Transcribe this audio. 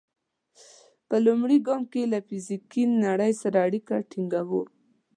په لومړي ګام کې له فزیکي نړۍ سره اړیکه ټینګوو.